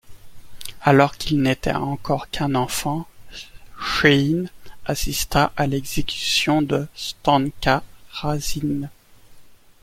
Alors qu'il n'était encore qu'un enfant, Chéine assista à l'exécution de Stenka Razine.